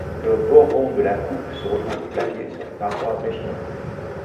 Le bord rond de la coupe se retrouve plaqué sur les parois vaginales.